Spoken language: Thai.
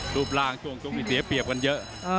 รูปร่างช่วงตรงนี้เสียเปรียบกันเยอะ